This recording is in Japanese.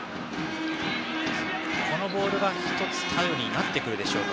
このボールが１つ頼りになってくるでしょうか。